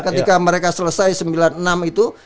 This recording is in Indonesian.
ketika mereka selesai sembilan puluh enam itu